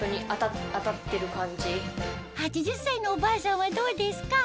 ８０歳のおばあさんはどうですか？